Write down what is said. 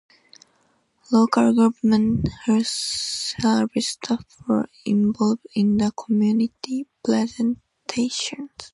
Local government health service staff were involved in the community presentations.